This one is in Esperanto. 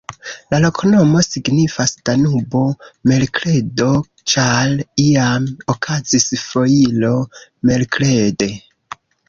La loknomo signifas: Danubo-merkredo, ĉar iam okazis foiro merkrede.